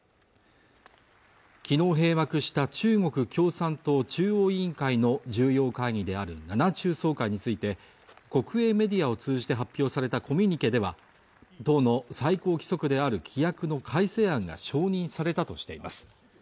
昨日閉幕した中国共産党中央委員会の重要会議である７中総会について国営メディアを通じて発表されたコミュニケでは党の最高規則である規約の改正案が承認されたとしています